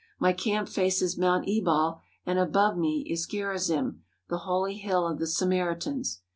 My camp faces Mount Ebal, and above me is Gerizim, the holy hill of the Samaritans.